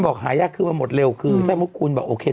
บอกหยากขึ้นไปหมดเร็วคือถ้าเมื่อกูบอกโอเคด้วย